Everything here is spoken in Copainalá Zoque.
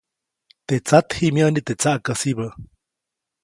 Teʼ tsat ji myäʼni teʼ tsaʼkäsibä.